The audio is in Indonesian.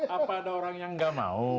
apa ada orang yang gak mau